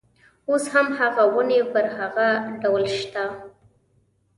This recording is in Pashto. اوس هم هغه ونې پر هغه ډول شته.